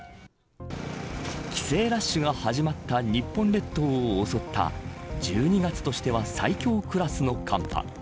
帰省ラッシュが始まった日本列島を襲った１２月としては最強クラスの寒波。